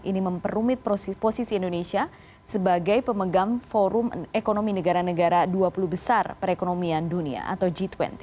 ini memperumit posisi indonesia sebagai pemegang forum ekonomi negara negara dua puluh besar perekonomian dunia atau g dua puluh